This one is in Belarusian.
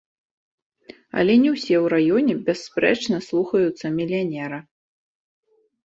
Але не ўсе ў раёне бясспрэчна слухаюцца мільянера.